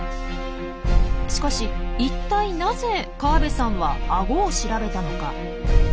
しかし一体なぜ河部さんはアゴを調べたのか？